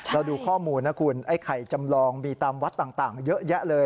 เราดูข้อมูลนะคุณไอ้ไข่จำลองมีตามวัดต่างเยอะแยะเลย